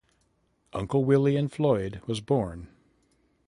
"Uncle Willy and Floyd" was born.